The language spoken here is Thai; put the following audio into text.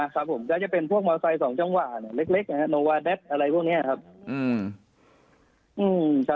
ครับผมจะเป็นพวกมอเตอร์ไซด์๒จังหว่าเล็กอะไรพวกนี้ครับ